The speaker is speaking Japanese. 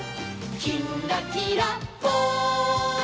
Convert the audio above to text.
「きんらきらぽん」